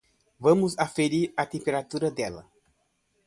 Vamos aferir a temperatura dela.